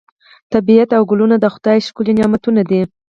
طبیعت او ګلونه د خدای ښکلي نعمتونه دي.